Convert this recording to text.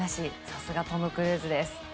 さすがトム・クルーズですね。